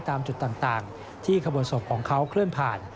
ตามจุดต่างที่ขบวนศพของเขาเคลื่อนผ่าน